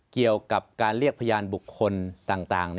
เกี่ยวกับการเรียกพยานบุคคลต่าง